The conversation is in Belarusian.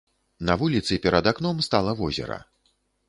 На вуліцы перад акном стала возера.